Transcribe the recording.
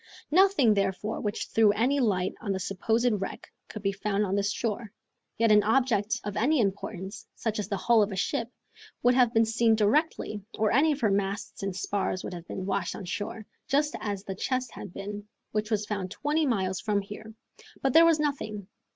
Nothing therefore which threw any light on the supposed wreck could be found on this shore, yet an object of any importance, such as the hull of a ship, would have been seen directly, or any of her masts and spars would have been washed on shore, just as the chest had been, which was found twenty miles from here. But there was nothing.